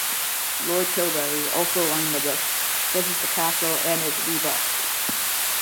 Lord Tilbury, also wanting the book, visits the castle and is rebuffed.